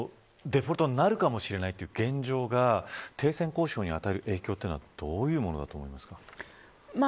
瑠麗さん、デフォルトになるかもしれないという現状が停戦交渉に与える影響はどういうものだと思いますか。